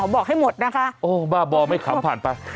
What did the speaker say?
บ้าบอไม่ขำผ่านไป